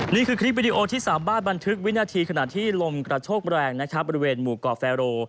นี่คือคลิปวิดีโอที่สามารถบันทึกวินาทีขณะที่ลมกระโชกแรงนะครับบริเวณหมู่เกาะแฟโร